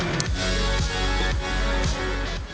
sambung ke dua puluh satu pos